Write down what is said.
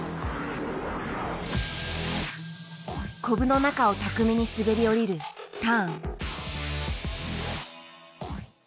コブの中を巧みに滑り降りるターン。